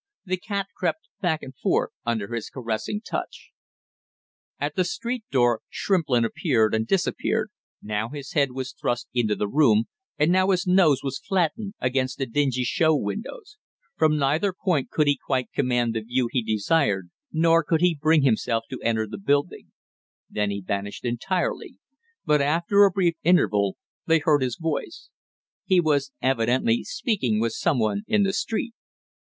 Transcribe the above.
The cat crept back and forth under his caressing touch. At the street door Shrimplin appeared and disappeared, now his head was thrust into the room, and now his nose was flattened against the dingy show windows; from neither point could he quite command the view he desired nor could he bring himself to enter the building; then he vanished entirely, but after a brief interval they heard his voice. He was evidently speaking with some one in the street.